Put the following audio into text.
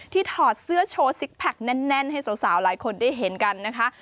ถอดเสื้อโชว์ซิกแพคแน่นให้สาวหลายคนได้เห็นกันนะคะ